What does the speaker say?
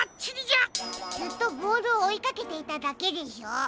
ずっとボールをおいかけていただけでしょ。